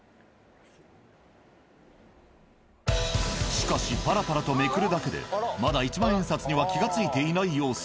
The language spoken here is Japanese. しかしパラパラとめくるだけでまだ１万円札には気が付いていない様子。